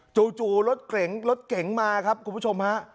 จู่รถเก๋งมาครับคุณผู้ชมฮะ